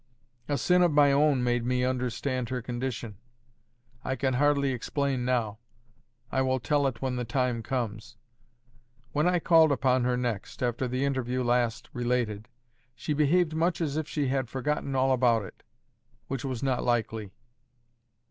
A sin of my own made me understand her condition. I can hardly explain now; I will tell it when the time comes. When I called upon her next, after the interview last related, she behaved much as if she had forgotten all about it, which was not likely.